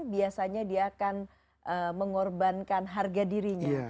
biasanya dia akan mengorbankan harga dirinya